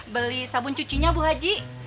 beli sabun cucinya bu haji